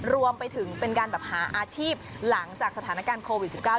รวมไปถึงเป็นการแบบหาอาชีพหลังจากสถานการณ์โควิด๑๙